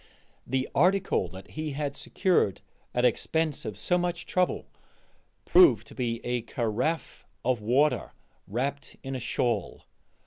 The article that he had secured at expense of so much trouble proved to be a carafe of water wrapped in a shawl.